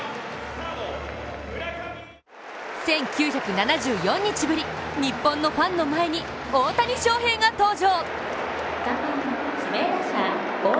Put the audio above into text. １９７４日ぶり、日本のファンの前に大谷翔平が登場。